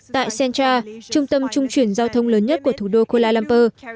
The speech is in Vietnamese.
tại centra trung tâm trung chuyển giao thông lớn nhất của thủ đô kuala lumpur